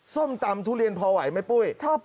ส้มตำทุเรียนพอไหวไหมปุ้ย